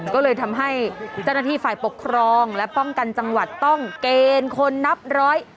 ก็เลยทำให้เจ้าหน้าที่ฝ่ายปกครองและป้องกันจังหวัดต้องเกณฑ์คนนับร้อย